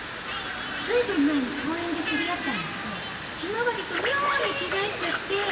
ずいぶん前に公園で知り合ったんだけどひまわりと妙に気が合っちゃって。